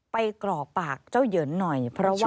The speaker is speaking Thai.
ไปกรอกปากเจ้าเหยินหน่อย